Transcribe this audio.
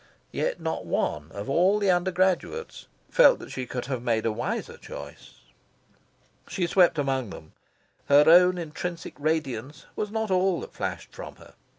Yet not one of all the undergraduates felt she could have made a wiser choice. She swept among them. Her own intrinsic radiance was not all that flashed from her.